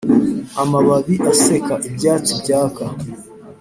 amababi aseka, ibyatsi byaka